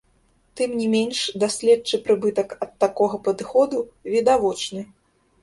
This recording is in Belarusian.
Тым не менш, даследчы прыбытак ад такога падыходу відавочны.